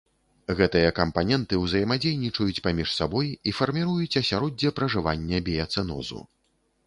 Гэтыя кампаненты ўзаемадзейнічаюць паміж сабой і фарміруюць асяроддзе пражывання біяцэнозу.